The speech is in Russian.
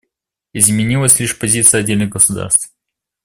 Изменилась лишь позиция отдельных государств.